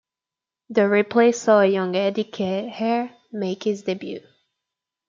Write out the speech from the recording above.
The replay saw a young Eddie Keher make his debut.